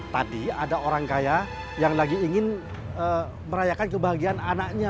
tadi ada orang kaya yang lagi ingin merayakan kebahagiaan anaknya